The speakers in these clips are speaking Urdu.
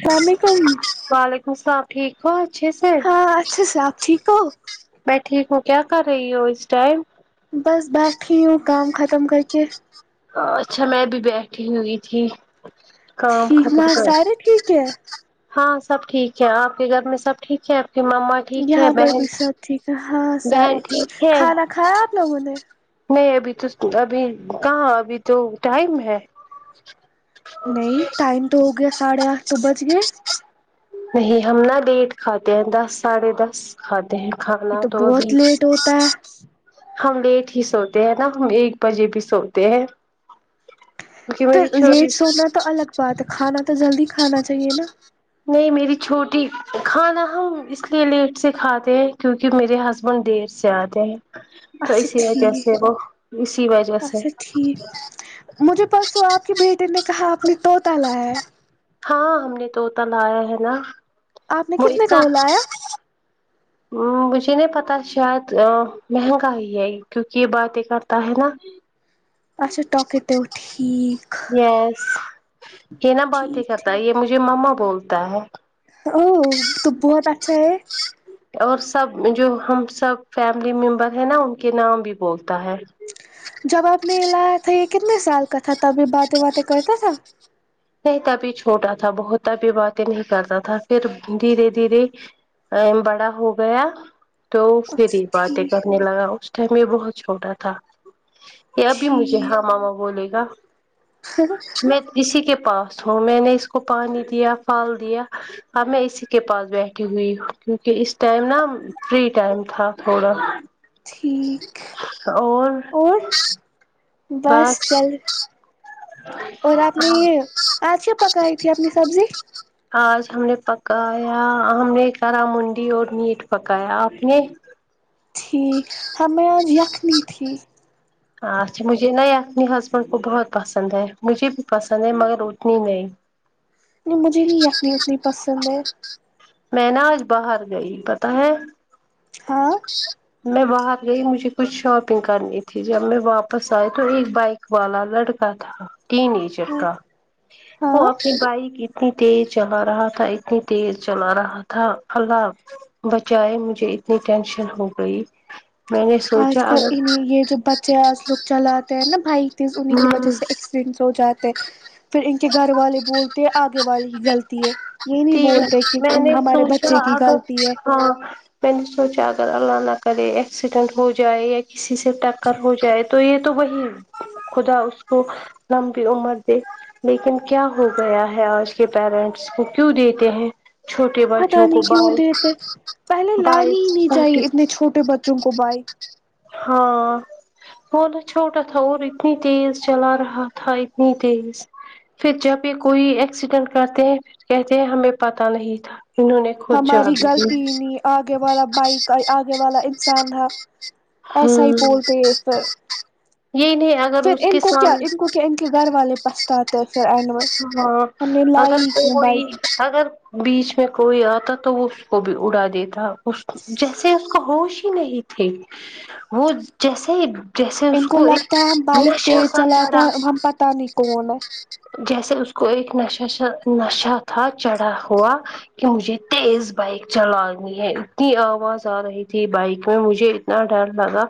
السلام علیکم وعلیکم السلام ٹھیک تو ہے اچھے سے آ اچھا سے آپ ٹھیک ہو میں ٹھیک ہوں کیا کر رہی ہوں اس ٹائم بس بیٹھی ہوں کام ختم کر کے اچھا میں بھی بیٹھی ہوئی تھی کام ٹھیک ختم وہاں کر سارے ٹھیک ہے ہاں سب ٹھیک ہے آپ کے گھر میں سب ٹھیک ہے آپ کے ماما یہاں پر بھی سب ٹھیک ہے ہاں بہن ساری ٹھیک ہے کھانا کھایا آپ لوگوں نے نہیں ابھی تو ابھی کہاں ابھی تو ٹائم ہے نہیں ٹائم تو ہو گیا ساڑھے آٹھ تو بج گئے نہیں ہم نا لییٹ کھاتے ہیں دس ساڑھے دس کھاتے ہیں یہ کھانا تو بہت ابھی لیٹ ہوتا ہے ہم لیٹ ہی سوتے ہیں نا ہم ایک بجے بھی سوتے ہیں کیونکہ میری چھوٹی بٹ کھانا تو جلدی کھانا چاہیے نا نہیں میری چھوٹی کھانا ہم اس لیے لیٹ سے کھاتے ہیں کیونکہ میرے ہسبین پن دیر سے آتے ہیں تو اچھا اسی وجہ سے ٹھیک وہ اسی وجہ سے اچھا ٹھیک مجھے پرسوں آپ کے بیٹے نے کہا آپ نے طوطا لایا ہے ہاں ہم نے طوطا لایا ہے نا آپ نے وہ کتنے اتنا کو لیاہے مجھے نہیں پتا شاید مہنگا ہی ہے کیونکہ یہ باتیں کرتا ہے نا اچھا ٹاک کرتا وہ ٹھیک یس یہ نا بات ہی ٹھیک کرتا ہے ٹھیک یہ مجھے مما بولتا ہے وہہ یہتو بہت اچھا ہے اور سب جو ہم سب فیملی ممبر ہیں نا ان کے نام بھی بولتا ہے جب آپ نے یہ لایا تھا یہ کتنے سال کا تھا تب یہ باتیں واتے کرتا تھا نہیں تبھی چھوٹا تھا بہت تبھی باتیں نہیں کرتا تھا پھر دھیرے دھیرے ہمم بڑا ہو گیا تو پھر ہی اچھا باتیں ٹھیک کرنے لگا اس ٹائم میں بہت چھوٹا تھا یہ ابھی مجھے ٹھیک ہاں ماما بولے گا میں اسی کے پاس ہوں میں نے اس کو پانی دیا پھال دیا اب میں اسی کے پاس بیٹھی ہوئی ہ کیونکہ اس ٹائم نا فری ٹائم تھا تھوڑا ٹھیک اور اور بس چل اور آپ نے یہ آج کیا پکائی تھی اپنی سبزی [unintelligible] آج ہم نے پکایا ہم نے کرا منڈی اور میٹ پکایا آپ نے ٹھیک ہمیں آج یخنی تھی اچھا مجھے ناں یہ اپنی ہسبینڈ کو بہت پسند ہے مجھے بھی پسند ہے مگر اتنی نہیں مجھے نہیں یخنی اتنی پسند ہے میں ناں آج باہر گئی پتہ ہے ہاں [inaudible] میں باہر گئی مجھے کچھ شاپنگ کرنی تھی جب میں واپس آئی تو ایک بائک والا لڑکا تھا تین ایچ کا ہاں وہ اپنی بائک اتنی تیز چلا رہا تھا اتنی تیز چلا رہا تھا اللہ بچائے مجھے اتنی ٹینشن ہو گئی میں نے سوچا آج کل اگر انہیں یہ جو بچے آج لوگ چلاتے ہیں نا بائکز ان ہی کی وجہ اگر سے ہوجاتے پھر ان کے گھر والے بولتے ہیں آگے والے ہی غلطی ہے یہ نہیں تین بولتے کہ میں نے ہمارے سوچا بچے کی اگر غلطی ہے ہاں میں نے سوچا اگر اللہ نہ کرے ایکسیڈنٹ ہو جائے کسی سے ٹکر ہو جائے تو یہ تو وہی ہے خدا اس کو لمبی عمر دے لیکن کیا ہو گیا ہے آج کے پیرنٹس کو کیوں دیتے ہیں چھوٹے پتہ بچوں کو نہیں کیوں بائک دیتے پہلے بائک لانی ہی نہیں اسکوٹی چاہیے اتنے چھوٹے بچوں کو بائک ہاں بہت ہی چھوٹا تھا اور اتنی تیز چلا رہا تھا اتنی تیز پھر جب یہ کوئی ایکسیڈینٹ کرتے ہیں کہتے ہیں ہمیں پتہ نہیں تھا انہوں نے خود جا ہماری بھی لی غلطی ہی نہیں آگے والا بائک آگے والا انسان ہے ایسا ہی ہوں بولتے ہیں پھر یہ نہیں آ پھر ان کو کیا ان کو کیا ان کے گھر والے پچھتاتے ہیں پھر اینڈ میں ہاں ہم نے اگر لائی کیوں کوئی بائک اگر بیچ میں کوئی آتا تو وہ اس کو بھی اڑا دیتا جیسے اس کو ہوش ہی نہیں تھے وہ جیسے ہی ان کو لگتا ہے ہم بائک تیز سا چلاتے چڑھا تھا ہیں ہم پتہ نہیں کون ہیں جیسے اس کو ایک نش نشہ تھا چڑھا ہوا کہ مجھے تیز بائک چلانی ہے اتنی آواز آ رہی تھی بائک میں مجھے اتنا ڈر لگا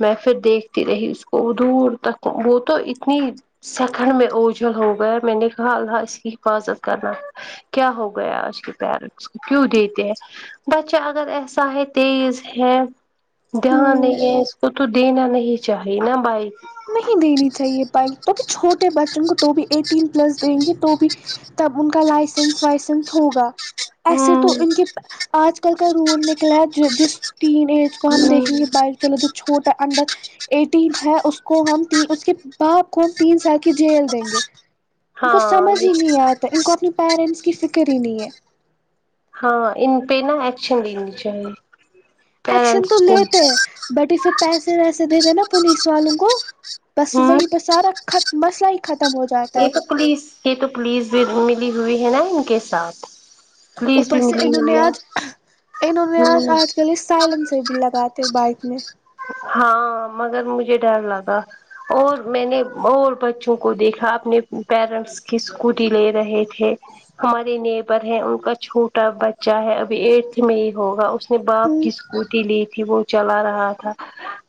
میں پھر دیکھتی رہی اس کو دور تک وہ تو اتنی سیکنڈ میں اوجھل ہو گیا میں نے کہا اللہ اس کی حفاظت کرنا کیا ہو گیا اس کے پیرنٹس کو کیوں دیتے ہیں بچہ اگر ایسا ہے تیز ہے دھیان ہوں نہیں ہے اس کو تو دینا نہیں چاہیے ناں بھائی نہیں دینی چاہیے بائک تو بھی چھوٹے بچوں کو تو بھی ایٹین پلس دیں گے تو بھی تب ان کا لائسنس وائسنس ہوگا ایسے ہوں تو ان کے آج کل کا رول نکلا ہے جس ٹین ایج کو ہم ہوں دیکھیں گے بائک چلے جو چھوٹا انڈر ایٹین ہے اس کو ہم اس کے باپ کو ہم تین سال کی جیل دیں گے ان کو ہاں سمجھ یہ ہی نہیں آتا ان کو اپنی پیرنٹس کی فکر ہی نہیں ہے ہاں ان پہ نا ایکشن لینی چاہیے ایکشن تو پیرنٹس کو لیتے ہیں بٹ یہ پھر پیسے ویسے دے دے ناں پولیس والوں کو بس ہوں وہیں پہ سارا خت مسئل ختم ہو جاتا یہ ہے تو پولیس یہ تو پولیس بھی ملی ہوئی ہے نا ان کے ساتھ پولیس اوپر بھی سے ملی انہوں نے ہوئی ہے آج انہوں نے آج ہوں آج کل سائلنسر بھی لگاتا تو بائک میں ہاں مگر مجھے ڈر لگا اور میں نے اور بچوں کو دیکھا اپنے پیرنٹس اس کی اسکوٹی لے رہے تھے ہمارے نیبر ہیں ان کا چھوٹا بچہ ہے ابھی ایرٹھ میں ہی ہوگا اس اپنے ہ باپ کی اسکوٹی لی تھی وہ چلا رہا تھا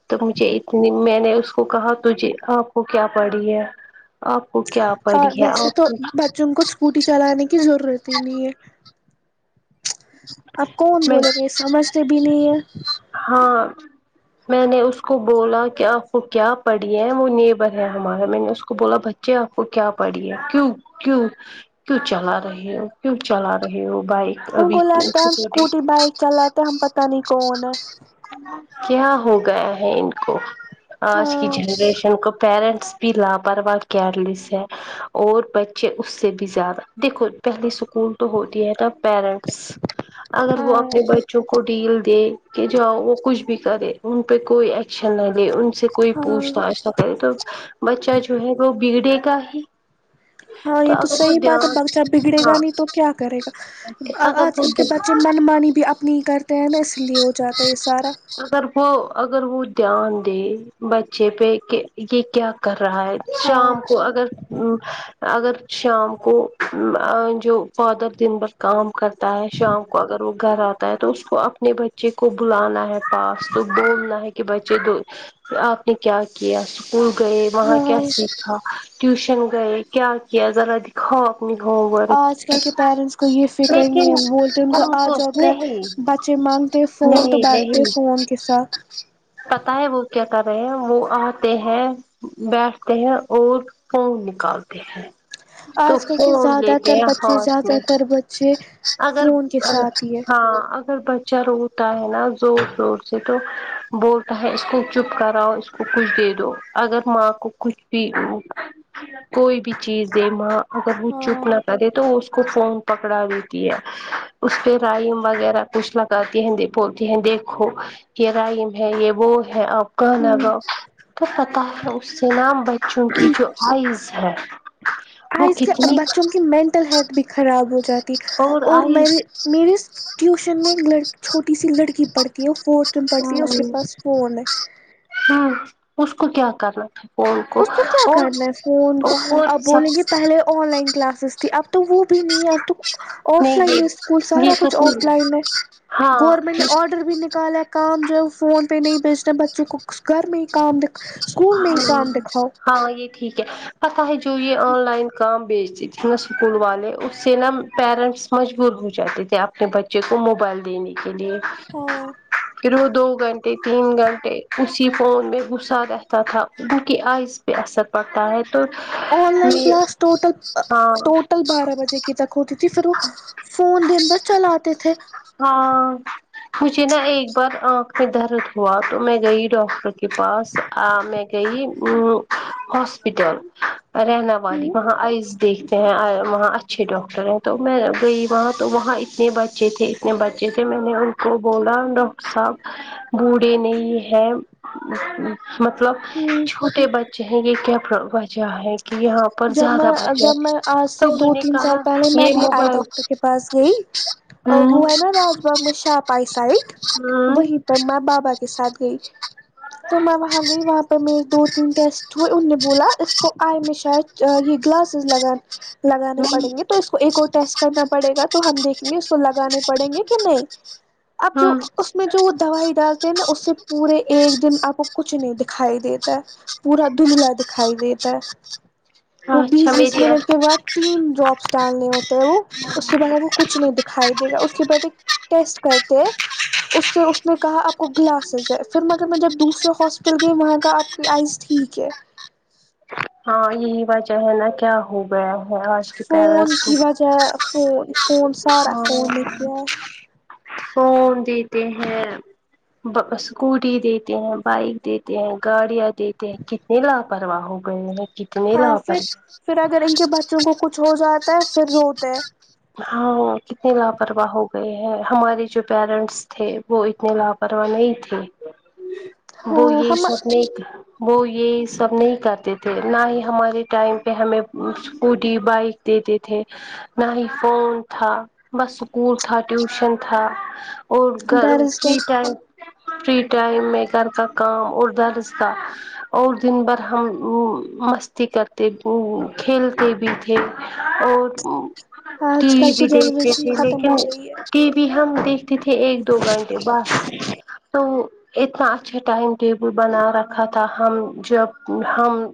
تو مجھے اتنی میں نے اس کو کہا توجے آپ کو کیا پڑی ہے آپ کو کیا پڑی اور ہے ویسے آپ تو کو بچوں کو اسکوٹی چلانے کی ضرورت ہی نہیں ہے آب کون میں بولیں گے سمجھتے بھی نہیں ہے ہاں میں نے اس کو بولا کہ آپ کو کیا پڑھی ہے وہ نیبر ہے ہمارا میں نے اس کو بولا آپ کو کیا پڑی ہے کیوں کیوں کیوں چلا رہے ہو کیوں چلا رہے ہو بائک ابھی تو ہم اسکوٹی بائک چلاتے ہیں ہم پتہ نہیں کون ہے کیا ہو گیا ہے ان کو آج کی ہاں جنریشن کو پیرنٹس لاپرواہ کیئر لیس ہے اور بچے اس سے بھی زیادہ دیکھو پہلے اسکول تو ہوتی ہے نا پیرنٹس اگر وہ ہاں اپنے بچوں کو ڈیل دے کہ جاؤ وہ کچھ بھی کرے ان پہ کوئی شن نہ دے ان سے کوئی پوچھ ہاں تاچھ نہ کرے تو بچہ جو ہے وہ بگڑے گا ہی ہاں یہ تو اگر وہ صحیح بات ہے دھیان بچہ بگڑے ہاں گا نہیں تو کیا کرے گا اگر آج وہ کل کے دھیان بچے من مانی بھی اپنی ہی کرتے ہیں نا اس لیے ہو جاتا ہے یہ سارا اگر وہ اگر وہ دھیان دے بچے پہ کہ یہ کیا کر رہا ہے ہاں شام کو اگر اگر شام کو جو فادر دن کام کرتا ہے شام کو اگر وہ گھر آتا ہے تو اس کو اپنے بچے کو بلانا ہے پاس تو بولنا ہے کہ بچے کو آپ نے کیا کیا اسکول گئے وہاں کیا ہاں سیکھا ٹیوشن گئے کیا کیا ذرا ہاں اپنی ہوور آج کل کے پیرنٹس کو یہ فکر نہیں لیکن ہے ہم سوچتے ہی جی مانگ نہیں نہیں پتا ہے وہ کیا کر رہے ہیں وہ آتے ہیں بیٹھتے ہیں اور فون نکالتے ہیں تو آج کل کے فون لے زیادہ تر کے بچے ہاتھ زیادہ میں تر بچے اگر فون کے ساتھ ہی ہے ہاں اگر بچہ روتا ہے نا زور زور سے تو بولتا ہے اس کو چپ کراؤ اس کچھ دے دو اگر ماں کو کچھ بھی کوئی بھی چیز دے ماں اگر وہ ہاں چپ نہ کرے تو اس کو فون پکڑا دیتی ہے اس پہ رائم وغیرہ کچھ لگاتی ہیں بولتی ہیں دیکھو یہ رائم ہے یہ وہ ہے ہوں کاناگاؤ تو پتہ ہے اس سے نام بچوں کی جو آئز ہے وہ ایس کیا کتنی بچوں کی مینٹل ہیلتھ بھی خراب ہو جاتی اور میں میرے ٹیوشن میں لڈ چھوٹی سی لڑکی پڑھتی وہ فورتھ میں پڑھتی ہے اس کے پاس فون ہے ہاں اس کو کیا کرنا تھا فون اس کو کیا اور کرنا ہے فون کو اور اب سب بولیں گے پہلے آن لائن کلاسز تھی اب تو وہ بھی نہیں ہے اب تو آف نہیں لائن ہے اسکول یہ یہ سارا تو کچھ آف لائن ہے گورنمنٹ ہاں نے آرڈر بھی نکالا کام جو ہے فون پہ نہیں بیچتے بچوں کو گھر میں ہی کام د اسکول میں ہی کام دکھ ہاں یہ ٹھیک ہے پتہ ہے جو یہ آن لائن کام بیچتی نہ اسکول والے اس سے نا پیرنٹس مجبور ہو جاتے تھے اپنے بچے کو موبائل دینے کے لیے ہ تو دو گھنٹے تین گھنٹے اسی فون میں غسہ رہتا تھا انکہ آز پہ اثر پڑتا ہے تو آن لائن میں کلاس ٹوٹل ہاں ٹوٹل بارہ بجے کی تک ہوتی تھی پھر وہ فون دن بس چلاتے تھے ہاں مجھے نا ایک بار آنکھ میں درد ہوا تو میں گئی ڈاکٹر پاس میں گئی ہاسپٹل رہنا یا وہاں آز دیکھتے ہیں وہاں اچھے ڈاکٹر ہیں تو میں گئی وہاں تو وہاں اتنے بچے تھے اپنے بچے تھے میں نے ان کو بولا ڈاکٹر صاحب بوڑھے نہیں ہیں مطلب ہوں، چھوٹے بچے ہیں یے کیا وجہ ہے کہ یہاں پر جب زیادہ میں بچے جب میں آج سے تو انہوں دو نے تین سال کہا پہلے میں یہ بھی آئی موبائل ڈاکٹر کے پاس گئی ہوں وہ ہے نا راج باغ میں شاپائی سائڈ ہوں وہی پھر میں بابا کے ساتھ گئی تو میں وہاں گئی وہاں پر میرے دو تین ٹیسٹ ہوئے ان نے بولا اس کو آئی مش شاید یہ گللاسز لگان لگانے میں پڑیں گے تو اس کو ایک اور ٹیسٹ کرنا پڑے گا تو ہم دیکھیں گے اس کو لگانے پڑیں گے کہ نہیں اب جو ہاں اس میں جو دوائی ڈالتے ہیں نا اس سے پورے ایک دن آپ کو کچھ نہیں دکھائی دیتا ہے پورا دندلا دکھائی دیتا ہے وہ ہاں اچھا بیس بیس میری منٹ کے بعد تین ڈراپس ڈالنے ہوتے ہیں وہ اس کے بعد کو کچھ نہیں دکھائی دے گا اس کے بعد ایک ٹیسٹ کرتے ہیں اس سے اس نے کہا آپ کو گلاسز ہے پھر مگر میں جب دوسرے ہاسپٹل گئی وہاں کا آپ کی آئس ٹھیک ہے ہاں یہی وجہ ہے نا کیا ہو گیا ہے آج کے پیرنٹس فون کو کی وجہ فون فون سارا فون نے کیا ہے فون دیتے ہیں اسکوٹی دیتے ہیں بائک دیتے ہیں گاڑیاں دیتے ہیں کتنی لاپرواہ ہو گئے ہیں کتنے ہاں پھر لاپرواہ پھر اگر ان کے بچوں کو کچھ ہو جاتا ہے پھر روتے ہیں ہاں کتنے لاپرواہ ہو گئے ہے ہمارے جو پیرنٹس تھے وہ اتنے لاپرواہ نہیں تھے وہ یہی ہاں ہم سب نہیں تھے وہ یے سب نہیں کرتے تھے نہ ہی ہمارے ٹائم پے ہمیں اسکوٹی بائک دیتے تھے نہ ہی فون تھا بس اسکول تھا ٹیوشن تھا اور گر ڈر سے کی ٹائم فری ٹائم میں گھر کا کام اڑد رس تھا اور دن بھر ہم مستی کرتے کھیلتے بھی تھے اور ٹی آج کل وی کی بھی دیکھتے جنریشن تھے ختم ہو لیکن گئی ہے ٹی وی ہم دیکھتے تھے ایک دو گھنٹے بس تو وہ اتنا اچھا ٹائم ٹیبل بنا رکھا تھا ہم جب ہم